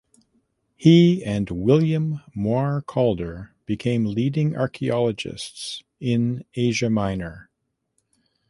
He and William Moir Calder became leading archaeologists in Asia Minor.